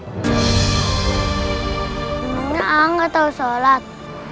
sebenarnya aku tidak tahu sholat